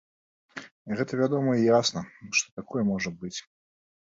Гэта вядома і ясна, што такое можа быць.